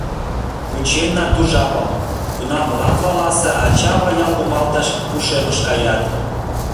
Вученна ту жапым, кунам Латваласе ача-ава ял кумалтыш ушемыш каят.